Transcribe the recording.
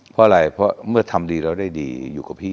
เพราะอะไรเพราะเมื่อทำดีแล้วได้ดีอยู่กับพี่